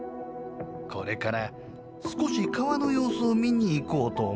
これから少し川の様子を見に行こうと思っておる」。